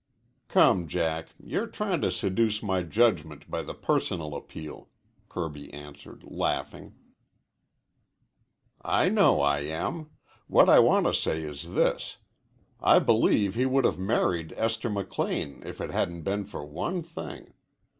"Come, Jack, you're tryin' to seduce my judgment by the personal appeal," Kirby answered, laughing. "I know I am. What I want to say is this. I believe he would have married Esther McLean if it hadn't been for one thing.